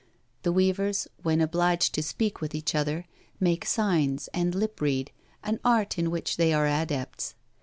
The weavers^ when obliged to speak with each other, make signs and lip read, an art in which they are adepts.